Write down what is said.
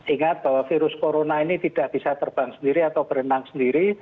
ingat bahwa virus corona ini tidak bisa terbang sendiri atau berenang sendiri